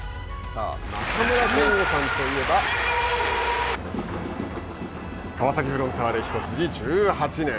中村憲剛さんといえば川崎フロンターレ一筋１８年。